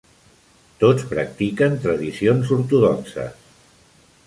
Tots practiquen tradicions ortodoxes.